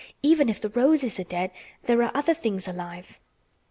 "Even if the roses are dead, there are other things alive."